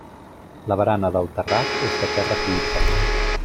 La barana del terrat és de terra cuita.